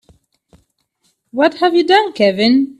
What have you done Kevin?